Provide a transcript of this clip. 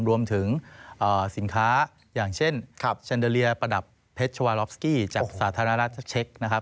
รวมถึงสินค้าอย่างเช่นแซนเดอเรียประดับเพชรชวาลอฟสกี้จากสาธารณรัฐเช็คนะครับ